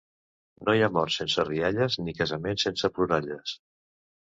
No hi ha mort sense rialles ni casament sense ploralles.